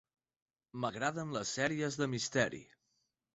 M'agraden les sèries de misteri.